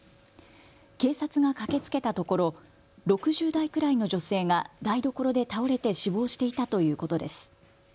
警察が駆けつけたところ、６０代くらいの女性が台所で倒れて死亡していたということです。